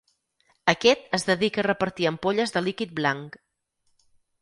Aquest es dedica a repartir ampolles de líquid blanc.